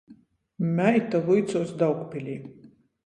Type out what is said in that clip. Meita vuicuos Daugpilī.